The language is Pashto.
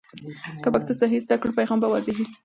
که پښتو صحیح زده کړو، پیغام به واضح وي.